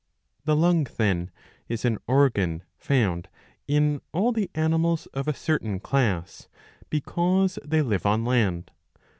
6.) The lung,^ then, is an organ found in all the animals of a certain class, because they live on land.